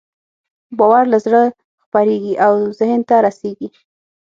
باور له زړه خپرېږي او ذهن ته رسېږي.